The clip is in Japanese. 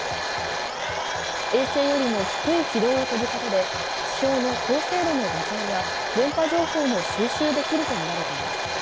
衛星よりも低い軌道を飛ぶことで地表の高精度の画像や電波情報も収集できるとみられています。